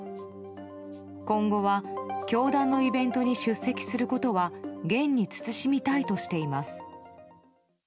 今後は教団のイベントに出席することは厳に慎みたいとしています。